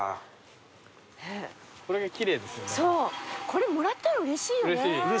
これもらったらうれしいよね。